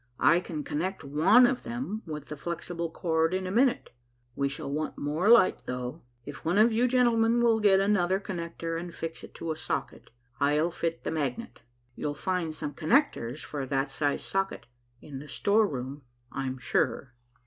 "I can connect one of them with the flexible cord in a minute. We shall want more light, though. If one of you gentlemen will get another connector and fix it to a socket, I'll fit the magnet. You'll find some connectors for that size socket in the storeroom, I'm sure."